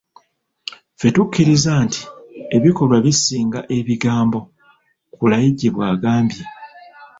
"Ffe tukkiriza nti ebikolwa bisinga ebigambo.” Kulayigye bw'agambye.